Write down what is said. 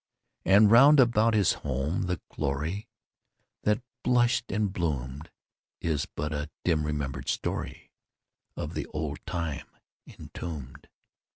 And, round about his home, the glory That blushed and bloomed Is but a dim remembered story Of the old time entombed.